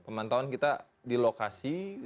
pemantauan kita di lokasi